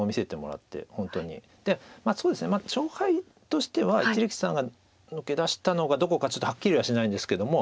そうですね勝敗としては一力さんが抜け出したのがどこかちょっとはっきりはしないんですけども。